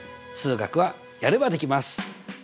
数学はやればできます！